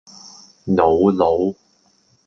瑙魯